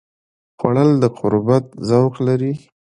خوړل د قربت ذوق لري